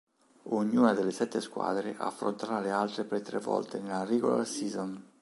Ognuna delle sette squadre affronterà le altre per tre volte nella "regular season".